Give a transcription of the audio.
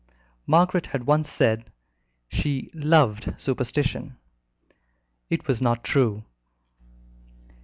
Margaret had once said she "loved superstition." It was not true.